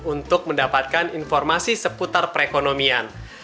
untuk mendapatkan informasi seputar perekonomian